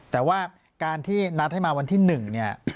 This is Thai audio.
แต่ว่าการที่นัดให้มาวันที่๑เนี่ย